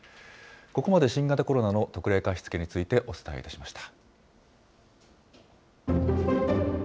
ここまで新型コロナの特例貸付についてお伝えいたしました。